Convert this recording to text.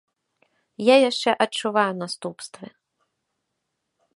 Я яшчэ адчуваю наступствы.